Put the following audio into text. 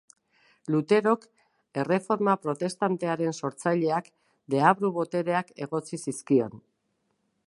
Luterok, Erreforma Protestantearen sortzaileak, deabru-botereak egotzi zizkion.